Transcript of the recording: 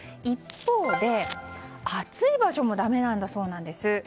一方で、暑い場所もだめなんだそうです。